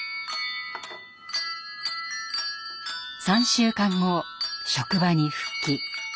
３週間後職場に復帰。